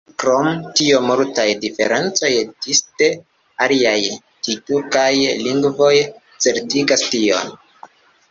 Krom tio multaj diferencoj disde aliaj tjurkaj lingvoj certigas tion.